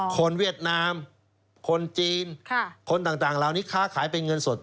เวียดนามคนจีนคนต่างเหล่านี้ค้าขายเป็นเงินสด